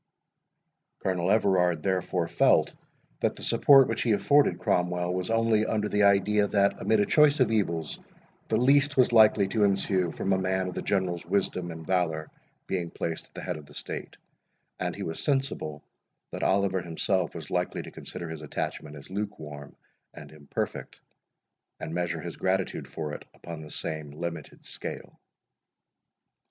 Colonel Everard, therefore, felt that the support which he afforded Cromwell, was only under the idea, that, amid a choice of evils, the least was likely to ensue from a man of the General's wisdom and valour being placed at the head of the state; and he was sensible, that Oliver himself was likely to consider his attachment as lukewarm and imperfect, and measure his gratitude for it upon the same limited scale.